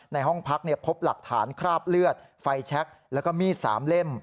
ในห้องพักพบหลักฐานคราบเลือดไฟแช็คแล้วก็มีด๓เล่ม